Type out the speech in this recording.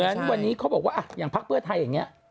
เหมือนวันนี้เขาบอกว่าอ่ะอย่างภักดิ์เพื่อไทยอย่างเนี่ย